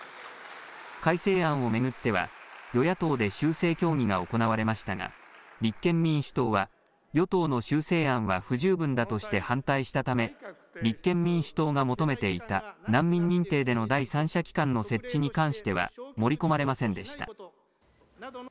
改正案を巡っては与野党で修正協議が行われましたが立憲民主党は与党の修正案は不十分だとして反対したため立憲民主党が求めていた難民認定での第三者機関の設置に関しては盛り込まれませんでした。